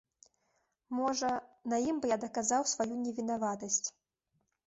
Можа, на ім бы я даказаў сваю невінаватасць.